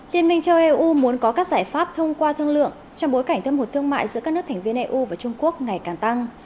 liên minh châu eu muốn có các giải pháp thông qua thương lượng trong bối cảnh thâm hụt thương mại giữa các nước thành viên eu và trung quốc ngày càng tăng